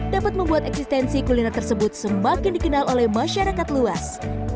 dapat membuat eksistensi kuliner tersebut semakin dikenal oleh masyarakat luas